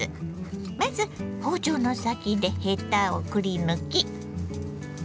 まず包丁の先でヘタをくり抜き。